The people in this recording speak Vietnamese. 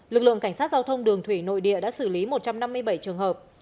lực lượng cảnh sát giao thông đường thủy nội địa đã xử lý một trăm năm mươi bảy trường hợp